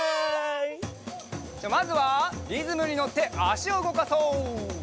じゃあまずはリズムにのってあしをうごかそう。